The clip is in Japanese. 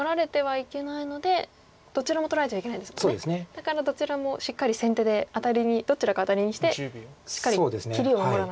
だからどちらもしっかり先手でアタリにどちらかアタリにしてしっかり切りを守らなきゃいけないと。